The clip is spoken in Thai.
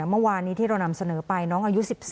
เมื่อวานนี้ที่เรานำเสนอไปน้องอายุ๑๔